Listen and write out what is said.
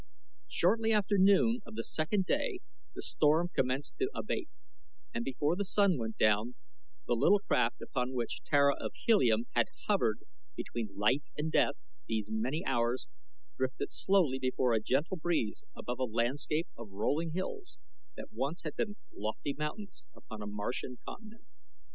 Shortly after noon of the second day the storm commenced to abate, and before the sun went down, the little craft upon which Tara of Helium had hovered between life and death these many hours drifted slowly before a gentle breeze above a landscape of rolling hills that once had been lofty mountains upon a Martian continent.